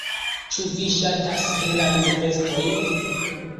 Ĉu vi ŝatas helajn vestojn?